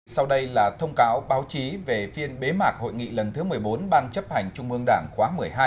sau đây là thông cáo báo chí về phiên bế mạc hội nghị lần thứ một mươi bốn ban chấp hành trung ương đảng khóa một mươi hai